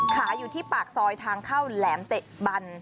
ขายอยู่ที่ปากซอยทางเข้าแหลมเตะบัน